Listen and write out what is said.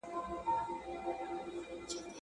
د دې غم کیسه اوږده ده له پېړیو ده روانه !.